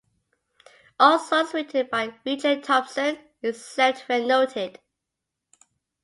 All songs written by Richard Thompson except where noted.